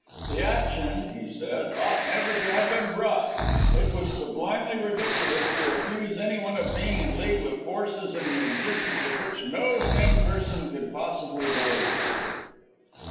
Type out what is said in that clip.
'The action,' he said, 'ought never to have been brought it was sublimely ridiculous to accuse any one of being in league with forces in the existence of which no sane person could possibly believe.'"